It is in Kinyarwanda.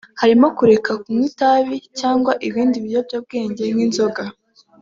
harimo kureka kunywa itabi cyangwa ibindi biyobyabwenge nk’inzoga